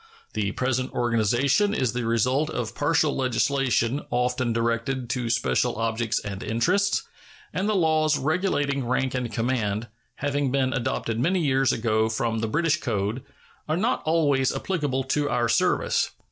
The present organization is the result of partial legislation often directed to special objects and interests; and the laws regulating rank and command, having been adopted many years ago from the British code, are not always applicable to our service.